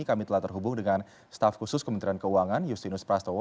kami telah terhubung dengan staf khusus kementerian keuangan justinus prastowo